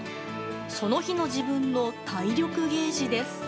その日の自分の体力ゲージです。